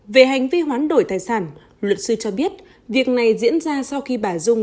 về hành vi hoán đổi tài sản luật sư cho biết việc này diễn ra sau khi bà dung